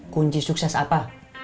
kunci sukses apa